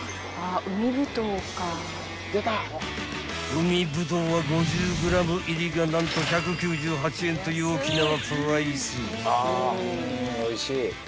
［海ぶどうは５０ｇ入りが何と１９８円という沖縄プライス］